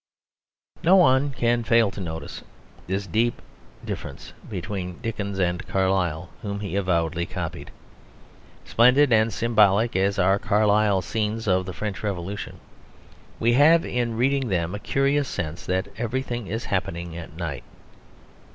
No one can fail to notice this deep difference between Dickens and the Carlyle whom he avowedly copied. Splendid and symbolic as are Carlyle's scenes of the French Revolution, we have in reading them a curious sense that everything is happening at night.